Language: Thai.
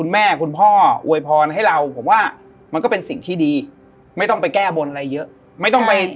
ไม่ต้องแก้บนอะไรเยอะ